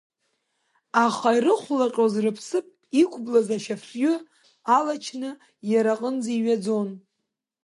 Аха ирыхәылҟьоз рыԥсыԥ, иқәблыз ашьа афҩы алачны иара иҟынӡа иҩаӡон.